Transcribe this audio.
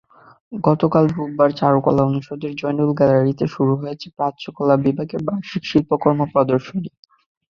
গতকাল রোববার চারুকলা অনুষদের জয়নুল গ্যালারিতে শুরু হয়েছে প্রাচ্যকলা বিভাগের বার্ষিক শিল্পকর্ম প্রদর্শনী।